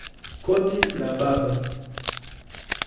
Koti la baba.